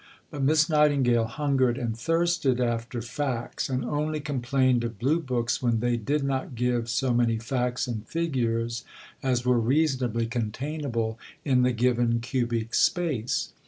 But Miss Nightingale hungered and thirsted after facts, and only complained of Blue books when they did not give so many facts and figures as were reasonably containable in the given cubic space.